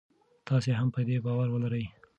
تاسي هم په دې باور ولرئ.